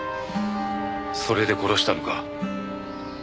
それで殺したのか？